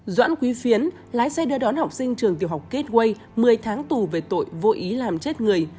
doãn quý phiến lái xe đưa đón học sinh trường tiểu học kết quây một mươi tháng tù về tội vô ý làm chết người